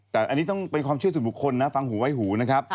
แต่อันนี้ต้องเป็นความเชื่อส่วนบุคคลนะฟังหูไว้หูนะครับ